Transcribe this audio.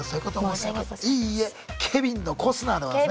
ケビンのコスナーでございますね。